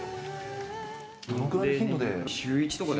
どのくらいの頻度で？